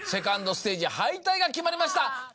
２ｎｄステージ敗退が決まりました。